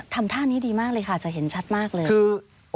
ทำท่านี้ดีมากเลยค่ะจะเห็นชัดมากเลยคือ